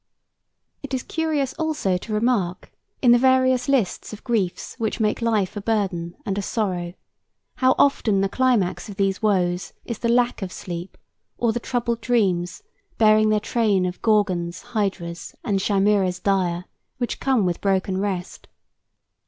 It is curious also to remark, in the various lists of griefs which make life a burden and a sorrow, how often the climax of these woes is the lack of sleep, or the troubled dreams bearing their train of "gorgons, hydras, and chimeras dire," which come with broken rest.